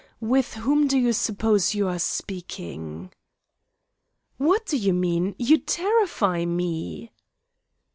With whom do you suppose you are speaking?" "What do you mean? You terrify me."